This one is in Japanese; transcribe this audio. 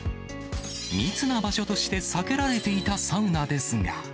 密な場所として避けられていたサウナですが。